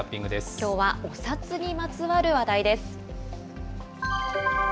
きょうはお札にまつわる話題です。